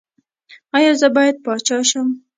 ایا زه باید پاچا شم؟